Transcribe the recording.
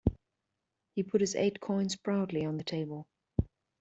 He put his eight coins proudly on the table.